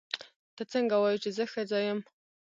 ته څنګه وایې چې زه ښځه یم.